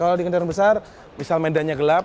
kalau di kendaraan besar misal medannya gelap